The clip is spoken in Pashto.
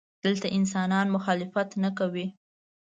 دلته انسانان مخالفت نه کوي.